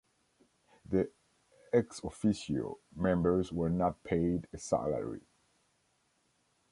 The "ex officio" members were not paid a salary.